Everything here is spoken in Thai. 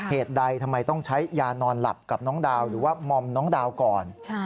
เหตุใดทำไมต้องใช้ยานอนหลับกับน้องดาวหรือว่ามอมน้องดาวก่อน